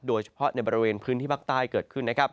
โดยเฉพาะในบริเวณพื้นที่ภาคใต้เกิดขึ้นนะครับ